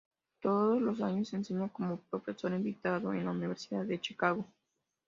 Todos los años enseña, como profesor invitado, en la Universidad de Chicago.